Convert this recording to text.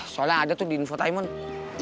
soalnya ada tuh di infotaimon